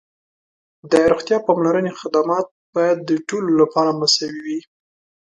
د روغتیا پاملرنې خدمات باید د ټولو لپاره مساوي وي.